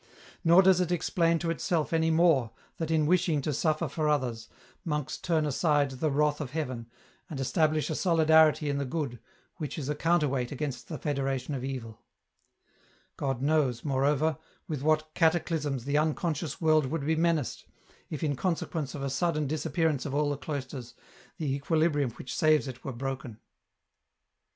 Nor does it explain to itself any more that in wishing to suffer for others, monks turn aside the wrath of heaven, and establish a solidarity in the good which is a counter weight against the federation of evil God knows, moreover, with what cataclysms the unconscious world would be menaced, if in consequence of a sudden dis appearance of all the cloisters, the equilibrium which saves it were broken."